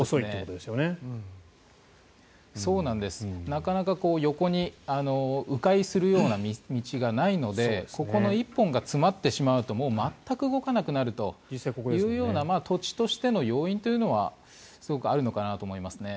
なかなか横に迂回するような道がないのでここの１本が詰まってしまうともう全く動かなくなってしまうというような土地としての要因というのはすごくあるのかなと思いますね。